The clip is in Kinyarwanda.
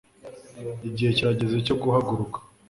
igihe kirageze cyo guhaguruka